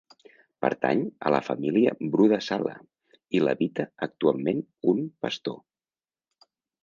Pertany a la família Bru de Sala i l'habita actualment un pastor.